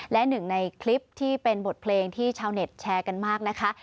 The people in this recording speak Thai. และหนึ่งในคลิปที่เป็นบทเพลงที่ชาวเน็ตแชร์กันมากนะคะ